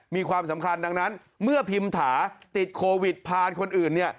มีความสำคัญดังนั้นเมื่อพิมถาติดโควิดผ่านคนอื่นเนี่ย